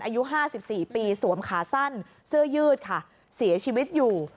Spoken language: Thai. อายุ๕๔ปีสวมขาสั้นเสื้อยืดค่ะเสียชีวิตอยู่